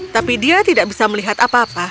tapi dia tidak bisa melihat apa apa